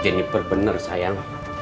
jeniper bener sayang